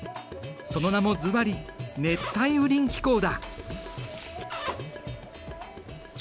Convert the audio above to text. その名もずばり熱帯雨林気候だ。